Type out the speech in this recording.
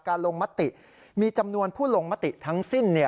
ลงมติมีจำนวนผู้ลงมติทั้งสิ้น